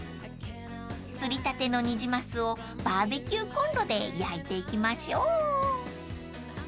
［釣りたてのニジマスをバーベキューコンロで焼いていきましょう］